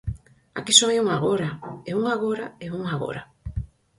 Aquí só hai un agora, e un agora, e un agora.